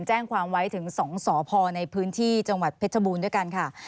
แจ้งความไว้ถึง๒สพในพื้นที่จังหวัดเพชรบูรณ์ด้วยกันค่ะ